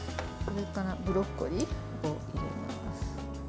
それからブロッコリーを入れます。